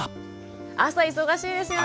朝忙しいですよね。